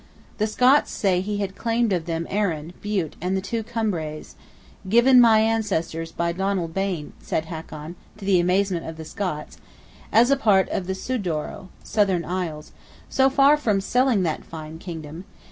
The Scots say he had claimed of them Arran, Bute, and the Two Cumbraes ("given my ancestors by Donald Bain," said Hakon, to the amazement of the Scots) "as part of the Sudoer" (Southern Isles): so far from selling that fine kingdom!